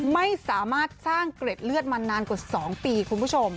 ไม่สามารถสร้างเกร็ดเลือดมานานกว่า๒ปีคุณผู้ชม